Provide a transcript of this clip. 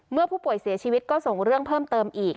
เมื่อผู้ป่วยเสียชีวิตก็ส่งเรื่องเพิ่มเติมอีก